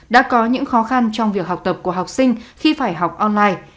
đã có những khó khăn trong việc học tập của học sinh khi phải học online